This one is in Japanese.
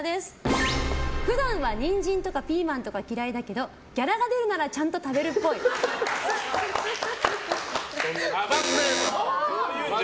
普段はニンジンとかピーマンとか嫌いだけど、ギャラが出るならちゃんと食べるっぽい。×です！